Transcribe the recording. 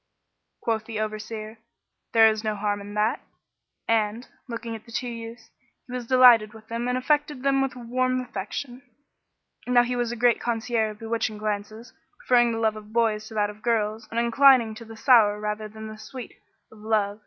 Quoth the Overseer, "There is no harm in that;" and, looking at the two youths, he was delighted with them and affected them with a warm affection. Now he was a great connoisseur of bewitching glances, preferring the love of boys to that of girls and inclining to the sour rather than the sweet of love.